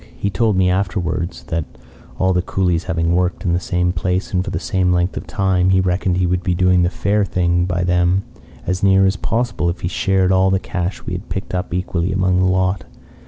He told me afterwards that, all the coolies having worked in the same place and for the same length of time, he reckoned he would be doing the fair thing by them as near as possible if he shared all the cash we had picked up equally among the lot.